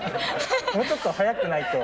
もうちょっと速くないと。